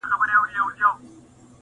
د ارغند خاوري به مي رانجه وي -